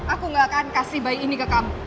aku gak akan kasih bayi ini ke kamu